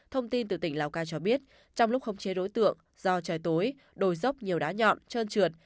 thông tin từ tỉnh lào cai cho biết trong lúc khống chế đối tượng do trời tối đồi dốc nhiều đá nhọn trơn trượt